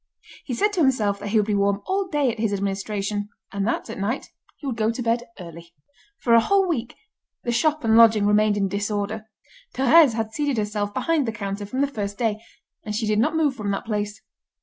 He said to himself that he would be warm all day at his administration, and that, at night, he would go to bed early. For a whole week, the shop and lodging remained in disorder. Thérèse had seated herself behind the counter from the first day, and she did not move from that place.